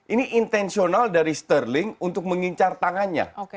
ini intensional dari sterling untuk mengincar tangannya